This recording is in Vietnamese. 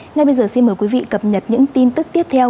ngay bây giờ xin mời quý vị cập nhật những tin tức tiếp theo